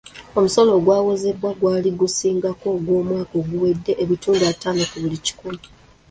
Omusolo ogwawoozebwa gwali gusingako ogw'omwaka oguwedde ebitundu ataano ku buli kikumi.